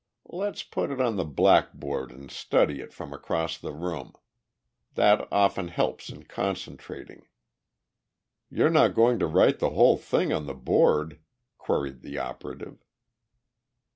Let's put it on the blackboard and study it from across the room. That often helps in concentrating." "You're not going to write the whole thing on the board?" queried the operative.